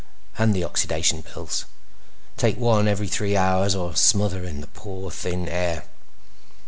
And the oxidation pills; take one every three hours or smother in the poor, thin air.